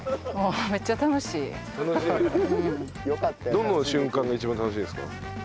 どの瞬間が一番楽しいですか？